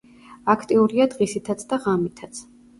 აქტიურია დღისითაც და ღამითაც.